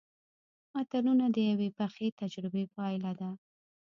متلونه د یوې پخې تجربې پایله ده